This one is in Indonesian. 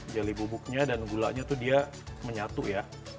jelly bubuknya dan gulanya tuh dia menyatu ya